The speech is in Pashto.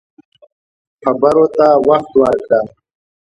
خبرو ته وخت ورکړه